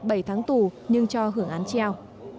bảy tháng tù nhưng cho hưởng án treo